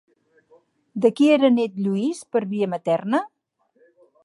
De qui era net Lluís per via materna?